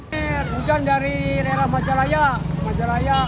hujan dari daerah majalaya